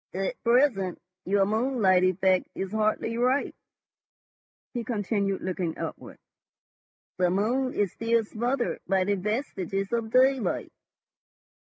"At present your moonlight effect is hardly ripe," he continued, looking upward. "The moon is still smothered by the vestiges of daylight."